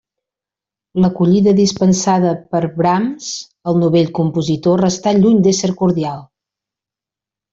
L'acollida dispensada per Brahms al novell compositor restà lluny d'ésser cordial.